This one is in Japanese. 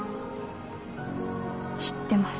知ってます。